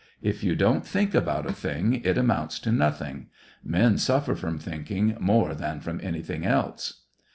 If you don't think about a thing, it amounts to nothing. Men suffer from thinking more than from anything else."